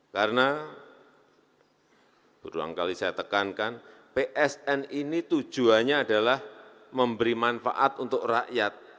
karena beruang kali saya tekankan psn ini tujuannya adalah memberi manfaat untuk rakyat